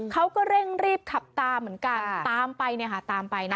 เขาก็เร่งรีบขับตามเหมือนกันตามไปเนี่ยค่ะตามไปนะ